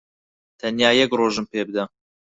تەنیا یەک ڕۆژم پێ بدە.